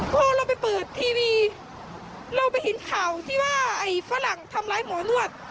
พอเราไปเปิดทีวีเราไปเห็นข่าวที่ว่าไอ้ฝรั่งทำร้ายหมอนวด